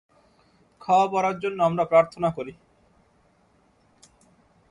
খাওয়া-পরার জন্য আমরা প্রার্থনা করি।